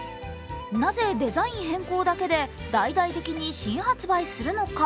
なぜデザイン変更だけで大々的に新発売するのか。